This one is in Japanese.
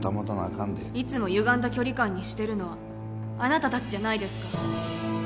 かんでいつもゆがんだ距離感にしてるのはあなた達じゃないですか？